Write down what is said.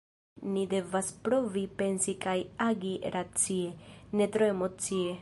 Ni devas provi pensi kaj agi racie, ne tro emocie.